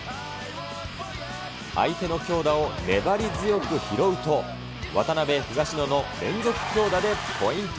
相手の強打を粘り強く拾うと、渡辺・東野の連続強打でポイント。